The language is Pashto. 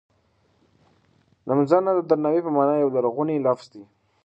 نمځنه د درناوی په مانا یو لرغونی لفظ دی.